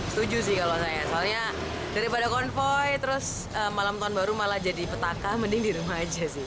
setuju sih kalau saya soalnya daripada konvoy terus malam tahun baru malah jadi petaka mending di rumah aja sih